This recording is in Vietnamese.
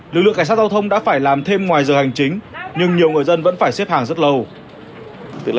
lực lượng cảnh sát giao thông đã phải làm thêm ngoài giờ hành chính nhưng nhiều người dân vẫn phải xếp hàng rất lâu